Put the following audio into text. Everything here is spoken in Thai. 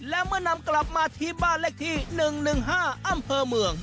และเมื่อนำกลับมาที่บ้านเลขที่๑๑๕อำเภอเมือง